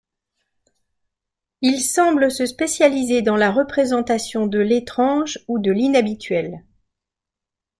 Il semble se spécialiser dans la représentation de l'étrange ou de l'inhabituel.